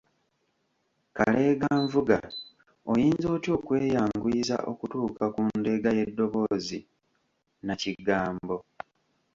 Kaleeganvuga, oyinza otya okweyanguyiza okutuuka ku ndeega y’eddoboozi nnakigambo?